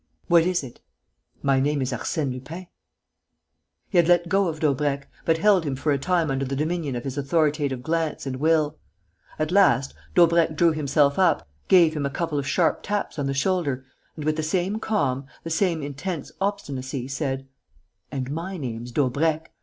"What is it?" "My name is Arsène Lupin." He had let go of Daubrecq, but held him for a time under the dominion of his authoritative glance and will. At last, Daubrecq drew himself up, gave him a couple of sharp taps on the shoulder and, with the same calm, the same intense obstinacy, said: "And my name's Daubrecq.